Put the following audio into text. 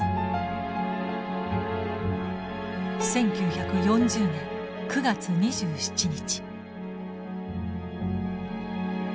１９４０年９月２７日。